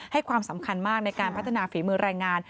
ให้ความสำคัญมากในการพัฒนาฝีมือแรงงาน